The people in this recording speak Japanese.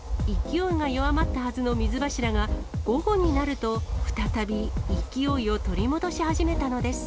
勢いが弱まったはずの水柱が、午後になると再び勢いを取り戻し始めたのです。